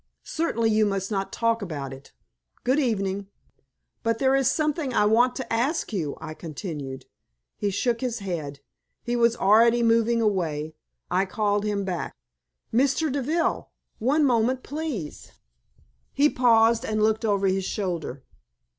Certainly you must not talk about it. Good evening." "But there is something I want to ask you," I continued. He shook his head. He was already moving away. I called him back. "Mr. Deville! One moment, please." He paused and looked over his shoulder.